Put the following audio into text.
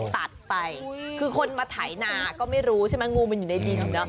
ตัดไปคือคนมาถ่ายนาก็ไม่รู้ใช่ไหมงูมันอยู่ในดิน